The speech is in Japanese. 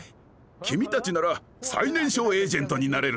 きみたちならさい年少エージェントになれるぞ。